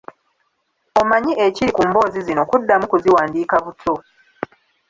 Omanyi ekiri ku mboozi zino kuddamu kuziwandiika buto.